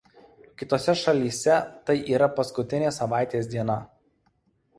Kitose šalyse tai yra paskutinė savaitės diena.